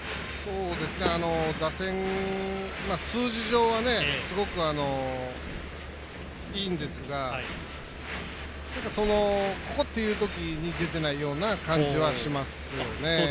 打線、数字上はすごくいいんですがそのここという時に出てないような感じはしますよね。